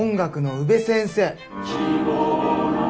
宇部先生？